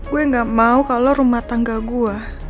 gue gak mau kalau rumah tangga gue